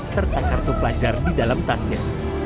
serta kartu pelajar di dalam tasnya